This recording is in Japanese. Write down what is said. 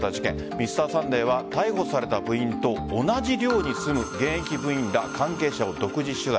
Ｍｒ．サンデーは逮捕された部員と同じ寮に住む現役部員ら関係者を独自取材。